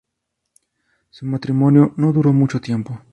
Su matrimonio no duró mucho tiempo.